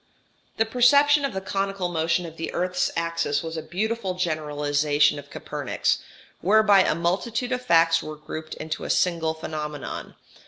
] This perception of the conical motion of the earth's axis was a beautiful generalization of Copernik's, whereby a multitude of facts were grouped into a single phenomenon.